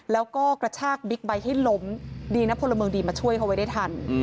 แล้วก็กระชากบิ๊กไบท์ให้ล้มดีนะพลเมืองดีมาช่วยเขาไว้ได้ทัน